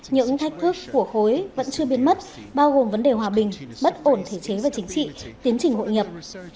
những thách thức của khối vẫn chưa biến mất bao gồm vấn đề hòa bình bất ổn thể chế và chính trị tiến trình hội nhập